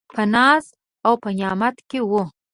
په ناز او په نعمت کي و .